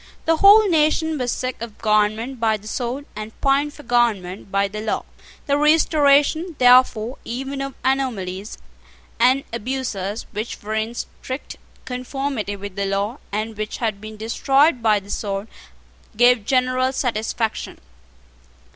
The whole nation was sick of government by the sword, and pined for government by the law. The restoration, therefore, even of anomalies and abuses, which were in strict conformity with the law, and which had been destroyed by the sword, gave general satisfaction.